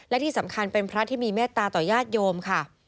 และที่สำคัญเป็นพระที่มีเมตตาต่อญาติโยมค่ะ